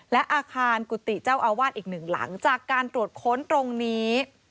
และอาคารกุฏิเจ้าอาวาสอีกหนึ่งหลังจากการตรวจค้นตรงนี้